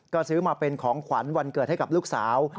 ก็ซื้อมาเป็นของขวัญวันเกิดให้กับลูกสาว